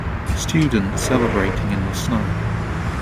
Student celebrating in the snow.